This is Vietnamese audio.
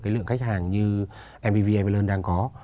cái lượng khách hàng như mvv everlearn đang có